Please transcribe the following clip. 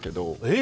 え？